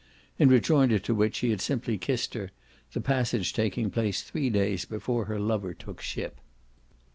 In rejoinder to which he had simply kissed her; the passage taking place three days before her lover took ship.